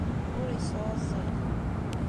Ur yesɛuẓẓeg.